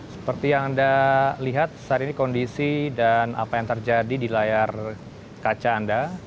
seperti yang anda lihat saat ini kondisi dan apa yang terjadi di layar kaca anda